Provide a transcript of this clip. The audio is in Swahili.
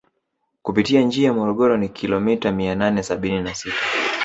Kupitia njia Morogoro ni kilimita Mia nane Sabini na Sita